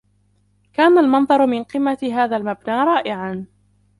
كان المنظر من قمة هذا المبنى رائعا.